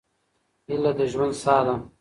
هيله د ژوند ساه ده.